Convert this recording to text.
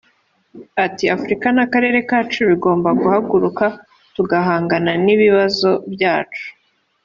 Ati“Afurika n’akarere kacu bigomba guhaguruka tugahangana n’ibibazo byacu